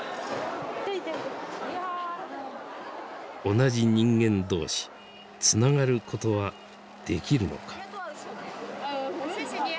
「同じ人間同士つながることはできるのか」。